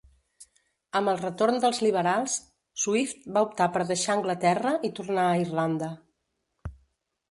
Amb el retorn dels liberals, Swift va optar per deixar Anglaterra i tornar a Irlanda.